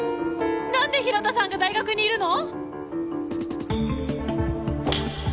何で日向さんが大学にいるの！？